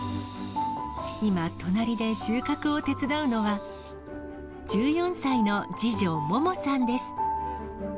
今、隣で収穫を手伝うのは、１４歳の次女、ももさんです。